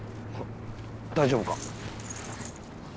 大丈夫か？